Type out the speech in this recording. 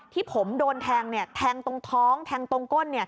ที่ผมโดนแทงแทงตรงท้องแทงตรงก้น